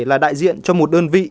là đại diện cho một đơn vị